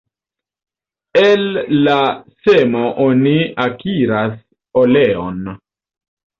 El la semo oni akiras oleon.